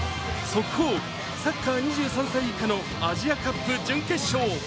速報、サッカー２３歳以下のアジアカップ準決勝。